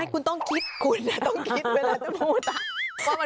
คุณต้องคิดคุณต้องคิดเวลาจะพูด